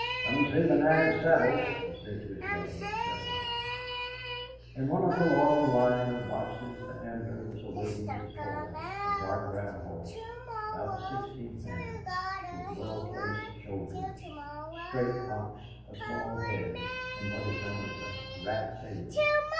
"Come and see the nag saddled," he said to his brother Gerald. In one of the long line of boxes the Ambler was awaiting his toilette, a dark brown horse, about sixteen hands, with well placed shoulders, straight hocks, a small head, and what is known as a rat tail.